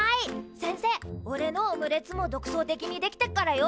先生おれのオムレツも独創的にできてっからよ。